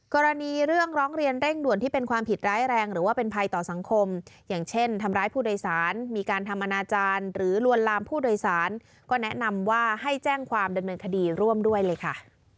กรณีเรื่องร้องเรียนเร่งด่วนที่เป็นความผิดร้ายแรงหรือว่าเป็นภัยต่อสังคมอย่างเช่นทำร้ายผู้โดยสารมีการทำอนาจารย์หรือลวนลามผู้โดยสารก็แนะนำว่าให้แจ้งความดำเนินคดีร่วมด้วยเลยค่ะ